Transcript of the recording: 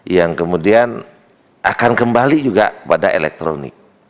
yang kemudian akan kembali juga pada elektronik